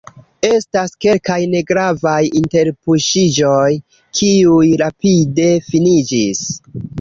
Estas kelkaj negravaj interpuŝiĝoj, kiuj rapide finiĝis.